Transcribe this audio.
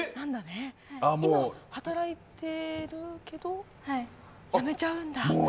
今、働いてるけど辞めちゃうんだ。